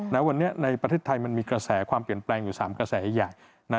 ณวันนี้ในประเทศไทยมันมีกระแสความเปลี่ยนแปลงอยู่๓กระแสใหญ่นะ